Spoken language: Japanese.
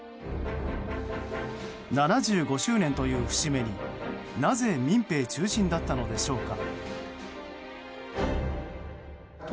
７５周年という節目に、なぜ民兵中心だったのでしょうか。